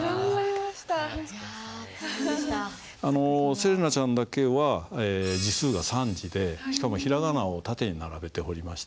せれなちゃんだけは字数が３字でしかも平仮名を縦に並べて彫りました。